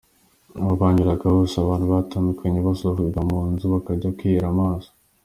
Aho banyuraga hose abantu batandukanye basohokaga mu nzu, bakajya kwihera amaso.